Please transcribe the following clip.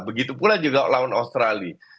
begitu pula juga lawan australia